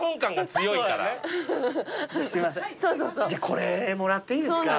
これもらっていいですか？